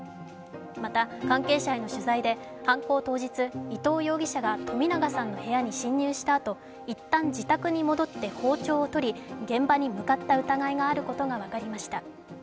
また関係者への取材で犯行当日、伊藤容疑者が、冨永さんの部屋に侵入したあと一旦自宅に戻って包丁を取り、現場に向かった疑いがあることが分かりました。